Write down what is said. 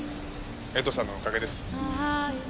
江藤さんのおかげです。